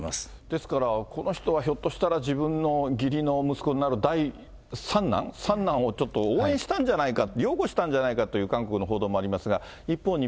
ですから、この人はひょっとしたら、自分の義理の息子になる３男、三男をちょっと、応援したんじゃないか、擁護したんじゃないかっていう韓国の報道もありますが。